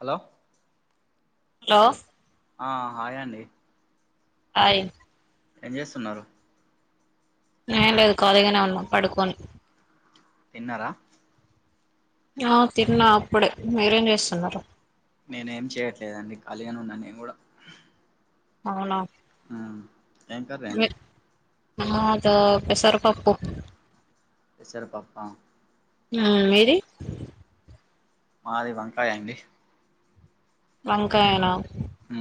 hello hello ఆ హాయండి ఆయ్ ఏం జేస్తున్నారు ఏం లేదు కాలీగనే ఉన్నా పడుకోని తిన్నారా హా తిన్నా అప్పుడే మీరేం జేస్తున్నారు నేనేమ్ చెయట్లేదండి ఖాళీగానే ఉన్నా నేన్ గుడా అవునా ఆ ఏం కర్రీ అండి మదా పెసర పప్పు పెసర పప్ప ఆ మీది మాది వంకాయండి వంకాయనా ఊ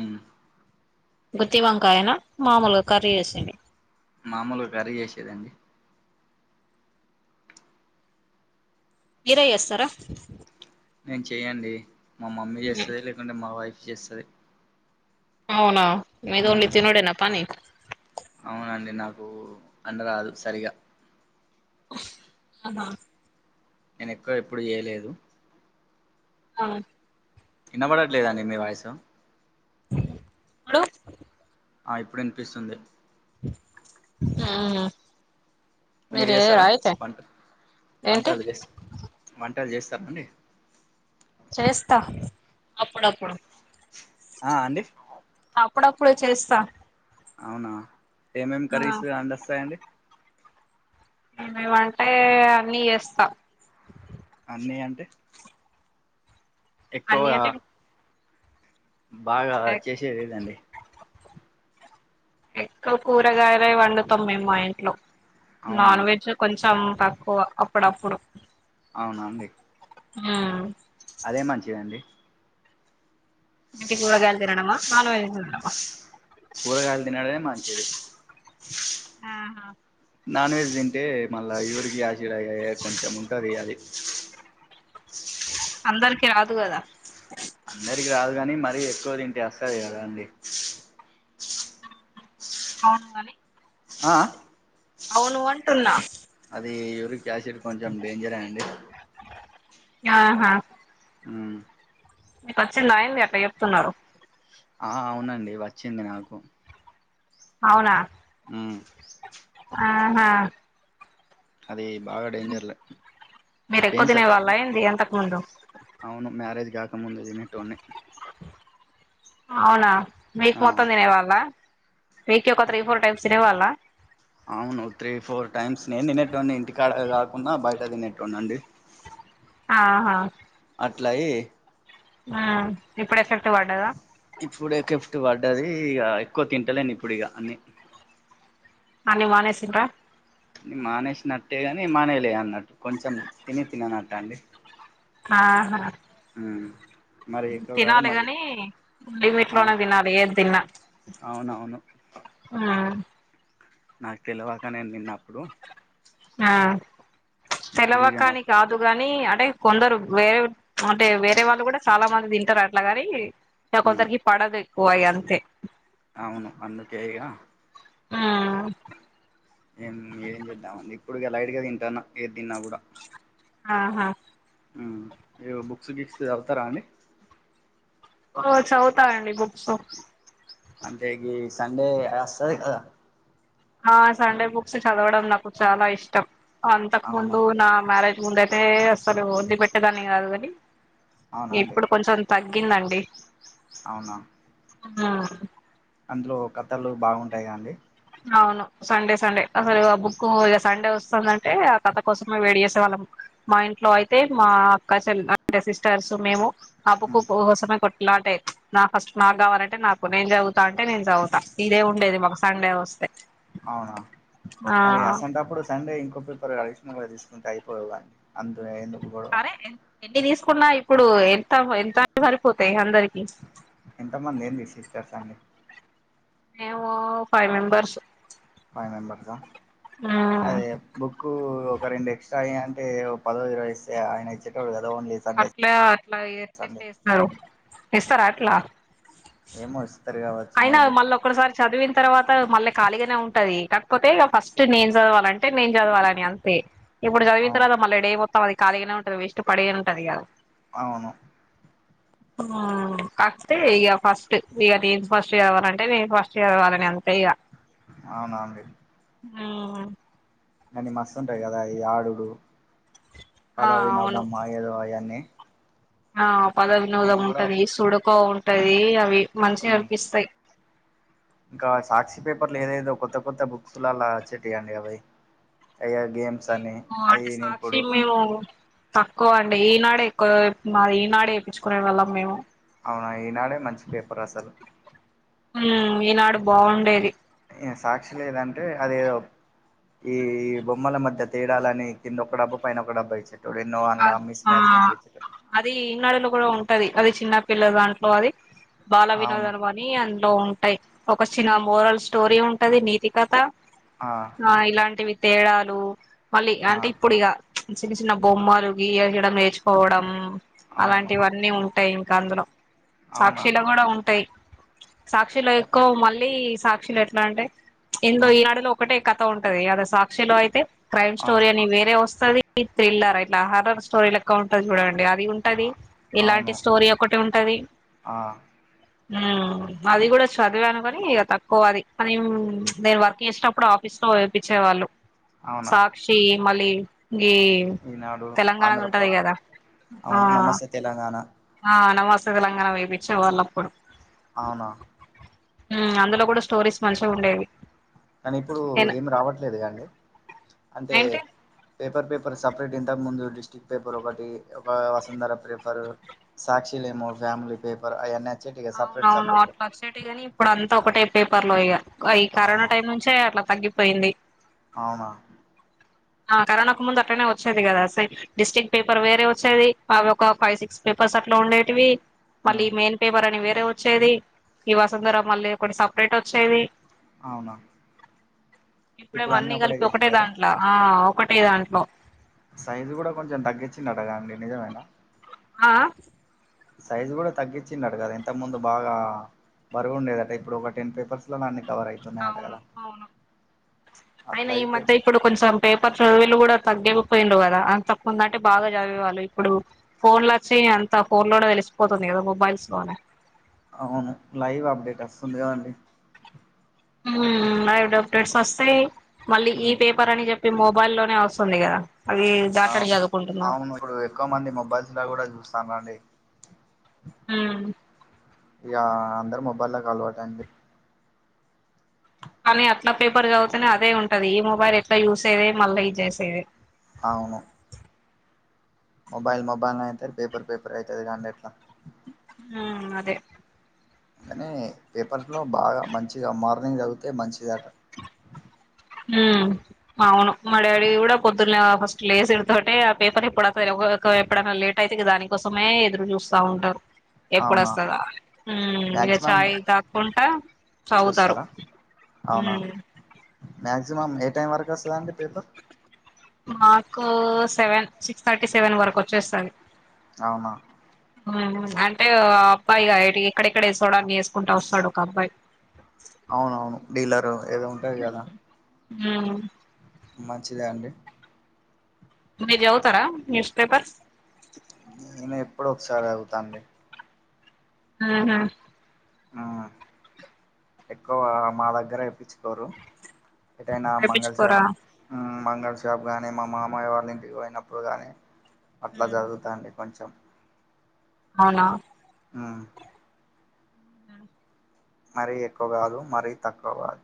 గుత్తి వంకాయన మామొల్గా కర్రీ ఏసింది మామొలుగా కర్రీ జేసేదండి మీరే ఏస్తర నేన్ చెయ్యండి మా మమ్మీ జేస్తది లేకుంటే మా వైఫ్ జేస్తది అవునా మీదోండ్లి తినుడేనపని అవునండి నాకు కండ రాదు సరిగా ఆహా నేనెక్కువ ఎప్పుడు జేయలేదు ఆ ఇనబడట్లేదండి మీ వాయిసు ఆ ఆ ఇప్పుడు వినిపిస్తుంది ఆ మీరు చేస్తారా వంట ఏంటి వంటలు చేస్త వంటలు చేస్తారా అండి చేస్తా అప్పుడప్పుడు ఆ అండి అప్పుడప్పుడు చేస్తా అవునా ఏమేమి కర్రీస్ అన్నీ వస్తాయండి ఏమేమంటే అన్ని చేస్తా అన్నీ అంటే అన్ని ఎక్కువగా అంటే బాగా చేసేది ఏది అండి ఎక్కువ కూరగాయలే వండుతాం మా ఇంట్లో అవునా నాన్ వెజ్ కొంచెం తక్కువ అప్పుడప్పుడు అవునా అండి ఊ అదే మంచిది అండి టి కూరగాయాలు తినడమ నాన్ వెజ్ తినడమా కూరగాయలు తినడం మే మంచిది ఆహా నాన్ వెజ్ తింటే మళ్ళా ఎవరికి యసీర కొంచెం ఉంటది ఆది అందరికి రాదు కదా అందరికి రాదు గాని మరీ ఎక్కువ తింటే వస్తది కదా అండి అవును గాని ఆ అవును అంటున్నా ఈ యూరిక్ యాసిడ్ కొంచెం డేంజర్ ఏ అండి ఆహా హు మీకు వచ్చింద ఏంది అట్లా చెప్తున్నారు ఆ అవునండి వచ్చింది నాకు అవునా ఉ ఆహా అది బాగా డేంజర్ లే పెయిన్స్ వత్తయ్ వాలుద్దాం అవును మ్యారేజ్ కాకముందు తినేటోన్ని అవునా వీక్ ఆ మొత్తం తినేవాళ్ళ వీక్ కి ఒక త్రీ అంటే ఫోర్ టైమ్స్ తినేవాళ్ళ అవును త్రీ ఫోర్ టైమ్స్ నేను తినేటోన్ని ఇంటికాడ కాకుండా బయట తినాటోన్నీ అండి ఆహా అట్లయి ఆ ఇప్పుడు ఎపెక్ట్ పడ్డదా ఇప్పుడు ఎపెక్ట్ పడ్డది ఇగా ఎక్కువ తింటలేను ఇప్పుడు ఇగా అన్ని అన్ని మానేసిండ్ర మానేసినట్టేగాని మానేయాలే అన్నట్టు కొంచెం తిని తిననట్టు అండి ఆహా అ తినాలి కాని లీవుపేట్లోనే అవును తినాలి ఏది తిన్నా అవునవును ఆ నాకు తెలువాక నేను తిన్నప్పుడు ఆ ఇప్పుడు ఇక తెలవకా అని నాకు కాదు కాగాని కానీ అంటే కొందరు వేరే అంటే వేరే వాళ్ళు కూడా చాలా మంది తింటారు అట్లాగాని ఉమ్ కొందరికి పడదు ఎక్కవ అయి అంతే అవును అందుకే ఇగ ఉమ్ ఏం ఏం చేద్దామండి ఇప్పుడు ఇగ లైట్గా తింటున్న ఏది తిన్నా కూడా ఆహా ఉమ్ మీరు బుక్స్ గీక్స్ చదువుతారా అండి ఆ చదువుతా అండి బుక్స్ అంటే గీ సండే వస్తది కదా ఆ సండే బుక్స్ చదవడం నాకు చాలా ఇష్టం అంతకు అవునా ముందు నా మ్యారేజ్ ముందు ఏ అసలు వదిలి పెట్టే దాన్ని కాదు కాని అవునా అండి ఇప్పుడు కొంచెం తగ్గిందండి అవునా ఆ అందులో కథలు బాగుంటాయి కదా అండి అవును సండే సండే అసలు ఆ బుక్ ఇక సండే వస్తుందంటే ఆ కథ కోసమే వెయిట్ చేసేవాళ్ళము మా ఇంట్లో అయితే మా అక్క చెల్ అంటే సిస్టర్స్ మేము ఆ బుక్ ఉమ్, కోసమే కొ అలవాటే నాకు ఫస్ట్ నాకు కావాలంటే నాకు నేను చదువుతా అంటే నేను చదువుతా ఇదే ఉండేది మాకు స అవునా ఆ మరి అసోంటి టప్పుడు సండే ఇంకో ఒక పేపర్ అడిషనల్ గా తీసుకుంటే అయిపోవు గా అందులో ఏదో అరే ఎన్ని తీసుకున్నా ఇప్పుడు ఎంత ఎంత సరిపోతయి అందరికి ఎంతమంది ఏంది సిస్టర్స్ అండి మేము ఫైవ్ మెంబర్స్ ఫై మెంబర్స్ ఆ ఉమ్ అది బుక్ బుక్ కు రెండు ఎక్స్ట్రా అంటే ఒక పదో ఇరవై ఇస్తే ఆయన ఇచ్చేటోడు కద అట్లా అట్లా ఎట్ల ఎట్లే ఇస్తారు ఇస్తారా అట్లా ఏమో ఇస్తారు కావచ్చు అయినా మేబి మళ్ళీ ఒక్కసారి చదివిన తర్వాత మళ్ళ ఖాళీగానే ఉంటది కాకపోతే ఇక ఫస్ట్ నేను చదవాలంటే నేను చదవాలని అంతే ఇప్పుడు చదివిన అవును తర్వాత మళ్ళీ డే పోతాం అది ఖాలీగానే ఉంటది వేస్ట్ పడిగానే ఉంటది ఇగ అవును అ కాపోతే ఈ ఫస్ట్ ఇగ ఫస్ట్ చదవాలి అవ్వాలంటే నేను ఫస్ట్ చదవాలి అవ్వాలని అంతే ఇక అవున అండి ఆ కానీ మస్తు ఉంటాయి కదా ఈ ఆడుడు ఆ పద అవును వినోదం ఏదో అవన్నీ ఆ పద వినోదం ఉంటది సుడుకో ఉంటది అవి మంచిగా అనిపిస్తాయి ఇంకా సాక్షి పేపర్లు ఏదేదో కొత్త కొత్త బుక్స్ లో అలా వచ్చేటివండి అది మేము అంటే సాక్షి మేము తక్ క్కువ అంటే ఈనాడే ఎక్కువ మా ఈనాడే వేపిచ్చుకునే వాళ్ళం మేము అవునా ఈనాడే మంచి పేపర్ అసలు ఆ అయిన ఆడ బాగుండేది సాక్షి లేదంటే అదేదో ఈ ఈ బొమ్మల మధ్య తేడాలని కింద ఒక డబ్బా పైన ఒక డబ్బా ఎ ఆ అది ఇన్డులో కూడా ఉంటది అది చిన్న పిల్ల దాంట్లో అది బాల అవును వినోదాలు అని అందులో ఉంటాయి ఒక చిన మోరల్ స్టోరీ ఉంటది నీతికథ ఆ ఇలాంటివి తేడాలు మళ్ళీ ఆ అంటే ఇప్పుడు ఇక చిన్న చిన్న బొమ్మ నేర్చుకోవడం అవును అలాంటివన్నీ ఉంటాయి ఇంక అందులో అవునా సాక్షిలు కూడ ఉంటాయి సాక్షులో ఎక్కువ మళ్ళీ సాక్షులో ఎట్లా అంటే ఎందో ఈనాడులో ఒకటే కథ ఉంటది అది సాక్షి లో అయితే క్రైమ్ ఆ స్టోరీ అని వేరే వస్తుంది థ్రిల్లర్ హార్రర్ స్టోరిలు ఎక్కువ ఉంటాయి చూడండి అది ఉంటది ఇలాంటి అవును స్టోరీ ఒకటి ఉంటది ఆ అది కూడ చదివాను కానీ ఇక తక్కువ అది కానీ నేను వర్క్ చేసినప్పుడు ఆఫీస్ లో వేపించేవాళ్ళు అవునా సాక్షి మళ్ళీ ఇ ఈనాడు తెలంగాణది ఉంటది ఆంధ్రప్రభ కదా ఆ అవును నమస్తే తెలంగాణ ఆ నమ తెలంగాణ వైపిచ్చి పోవళ్ళ అప్పుడు అవునా అందులో కూడ స్టోరీస్ మంచిగా ఉండేవి కానీ ఇప్పుడు నేను ఏమి రావట్లే [unintelligible] అంటే ఏంటి పేపర్ పేపర్ సపరేట్ ఇంతకు ముందు డిస్టిక్ పేపర్ ఒకటి ఒక వసుంధర పేపర్ సాక్షి [unintelligible] ఫ్యామిలీ పేపర్ అయన్ని అవునవును అట్లా వచెటివి గాని ఇప్పుడు అంతా ఒకటే పేపర్లు ఇగ ఈ కరోనా అవును టైం నుంచే అట్ల తగ్గిపోయింది అవునా ఆ కరోనాకు ముందు అట్టనే [unintelligible] వచ్చేది కదా సే డిస్తిక్ట్ పేపర్ వేరే వచ్చేది అవి ఒక ఫైవ్ సిక్స్ పేపర్స్ అట్లా ఉండేటివి మళ్ళీ ఉమ్ ఈ మెయిన్ పేపర్ అని వేరే వచ్చేది ఈ వసంధర మళ్ళీ కొన్ని సపరేట్ వచ్చేది అవునా ఇప్పుడేమో ఇప్పుడు అన్ని కలిపి ఒకటే చేసిండు కదా దాంట్లో ఆ ఒకటే దాంట్లో సైజు కూడా కొంచెం తగ్గించింది [unintelligible] అండి నిజమేన ఆ సైజు కూడా తగ్గించిన [unintelligible] కదా ఇంతకు ముందు బాగా బరువు ఉండేదట ఇప్పుడు ఒక టెన్ పేపర్స్ లో అవును అవును అయినా అట్లా ఈ అయితే మధ్య ఇప్పుడు కొంచెం పేపర్స్ తగ్గపోయిడు కదా అంతకుముంద అంటే బాగా చదివేవాళ్ళు ఇప్పుడు ఫోన్లు వచ్చి అంత ఫోన్ తెలిసిపోతుంది కదా మొబైల్స్ లోనే అవును లైవ్ అప్డేట్ వస్తుంది కాద అండి లైవ్ అప్డేట్స్ వస్తాయి మళ్ళీ ఈ ఉమ్ పేపర్ అని చె ప్పి మొబైల్ల్లోనే వస్తుంది కదా అవి ఆవు దాటడి చదువుకుంటున్నారు అవును ఇప్పుడు ఎక్కువ మంది మొబైల్స్ కూడ చూస్తనండి హు ఇగా అందరు మొబైల్ లోకి అలవాటు అయింది కానీ అట్లా పేపర్ చదువుతేనే అదే ఉంటది ఈ మొబైల్ ఎట్లా యూజ అయది మళ్ళీ ఇ చేసేది అవును మొబైల్ మొబైల్ [unintelligible] పేపర్ పేపర్ అయితది [unintelligible] ఉం అదే కానీ పేపర్స్లో బాగా మంచిగా మార్నింగ్ చదితే మంచిదట ఉ అవును మా డాడీ కూడా పొద్దున్న ఫస్ట్ లేసిడుతొటే ఆ పేపర్ ఎప్పుడుత ఒక వే ఎప్పుడైనా లేట్ అయితే ఇగ దానికోసమే ఎదురు చూస్తా ఉంటారు అవునా ఎప్పుడుొస్తందాని ఊ ఇక మ్యాక్సిమం చాయ్ తాకుంటా చదువుతారు చూస్తారా ఊ అవునా మ్యాక్సిమం ఏ టైం వరకు వస్తుదండి పేపర్ మాకు సెవెన్ సిక్స్ థర్టీ సెవెన్ వరకు వచ్చేస్తది అవునా ఉమ్ అంటే ఓ అబ్బాయిగా ఇగ ఎటు ఎక్కడెక్కడ వేస్ చోడాన్ని వేసుకుంటా వస్తాడు ఒక అబ్బాయి అవునవును డీలరు ఏదో ఉంటది కదా ఊ మంచిదే అండి మీరు చదువుతరా న్యూస్ పేపర్స్ నేను ఎప్పుడు ఒకసారి చదువుతాండి ఊహు ఆ ఎక్కువ మా దగ్గర ఏప్పించుకోరు ఎంటైనా మంగళల్ వేపించుకోరా షాప్ ఊ మంగళ షాప్ కానీ మా మామయ్య వాళ్ళ ఇంటికి పోయినప్పుడు కానీ అట్లా జరుగుతండి కొంచం అవునా ఊ ఉ మరీ ఎక్కువ కాదు మరీ తక్కువ కాదు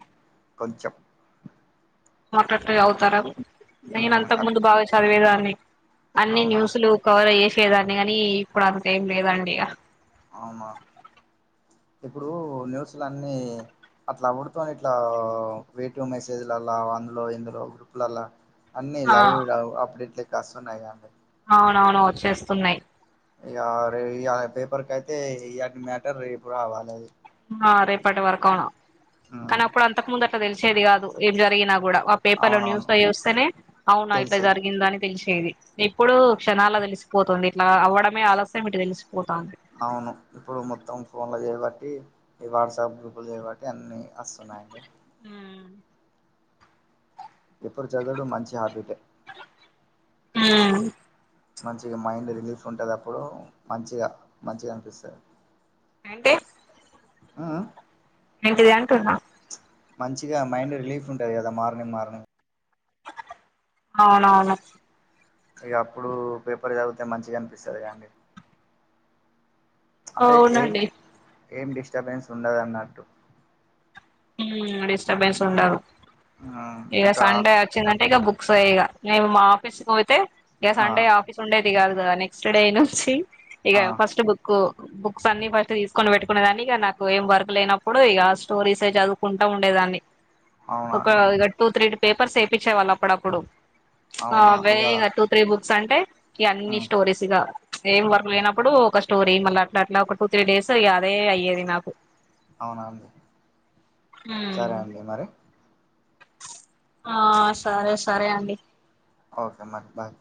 కొంచెం మటట్ అవుతారా నేను ఉమ్ అంతకు అట్ ముందు బాగా చదివేదాన్ని అన్ని అవునండి న్యూస్లు కవర్సేదాన్ని కాని ఇప్పుడు అంత ఏం లేదండి ఇక అవునా ఇప్పుడు న్యూస్లన్ని అట్లా అవుడుతోని ఇట్లా వేటు మెసేజ్లలా అందులో ఇందులో గ్రూప్లల్లా అన్నీ ఆ లవ్ లవ్ అప్పుడ ఇట్ల కస్తున్నాయి కండి అవునవును వచ్చేస్తున్నాయ్ ఇక అరే ఇయల పేపర్ కయితే ఇయాటి మ్యాటర్ రేపు రావాలది ఆ రేపటి వరక ఉమ్ కానీ అప్పుడు అంతకుముందు అట్లా తెలిసేది కాదు ఏం జరిగినా కూడా ఆ పేపర్ ల అవునవును న్యూస్ చూస్తేనే అవునా ఇట్లా తెలిసేది జరిగిందా అని తెలిసి తెది ఇప్పుడు క్షణాల తెలిసిపోతుంది ఇట్లా అవ్వడమే ఆలస్యం ఇటు తెలిసిపోతుంది అవును ఇప్పుడు మొత్తం ఫోన్ లో చేయబట్టి ఈ వాట్సాప్ గ్రూప్లు చేయబట్టి అన్ని వస్తున్నాయండి ఉమ్ ఎప్పుడు చదవడు మంచి హ్యాబిటే ఊ మంచిగా మైండ్ రిలీఫ్ ఉంటది అప్పుడు మంచిగా మంచిగా అనిపిస్తది ఏంటి ఆ ఆ ఎంటిది అంటున్నా మంచిగా మైండ్ రిలీఫ్ ఉంటది కదా మార్నింగ్ మార్నింగ్ అవునవును ఇక అప్పుడు పేపర్ చదివితే మంచిగా అనిపిస్తది కదండి అంటే ఏం అవునండి ఏం డిస్టర్బెన్స్ ఉండదున్నట్టు మ్మ్ డిస్టర్బెన్స్ ఉండదు ఉమ్, ఇక ఇంకా సండే వచ్చిందంటే ఇక బుక్ ఒకస ఇక నేను మా ఆఫీస్కి పోతే ఇక ఆ సండే ఆఫీస్ ఉండేది గాదు కదా నెక్స్ట్ డే నుంచి ఇక ఆ ఫస్ట్ బుకు బుక్స్ అన్ని బట్ తీసుకొని పెట్టుకునేదాన్ని ఇక నాకు ఏం వర్క్ లేనప్పుడు ఇగా స్టోరీస్ తే చదువుకుంటా ఉండేదాన్ని అవునా ఒక అండి ఇగా టూ త్రీ పేపర్స్ వేయించేవాళ్ళు అప్పుడప్పుడు ఆ అవునా అవే ఇక ఇగా టూ త్రీ బుక్స్ అంటే ఇ అన్ని ఉమ్, స్టోరీస్ గా ఏం వర్క్ లేనప్పుడు ఒక స్టోరీ మళ్ళీ అట్లా అట్లా ఒక టూ త్రీ డేస్ ఇగ అదే అయ్యేది నాకు అవునా సరే అండి మరి ఆ సరే సరే అండి ఓకే మరి బాయ్